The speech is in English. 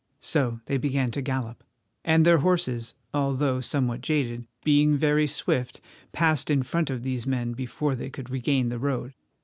So they began to gallop, and their horses, although somewhat jaded, being very swift, passed in front of these men before they could regain the road.